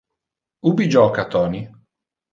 Ubi joca Tony?